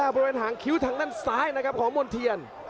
บริเวณหางคิ้วทางด้านซ้ายนะครับของมณ์เทียน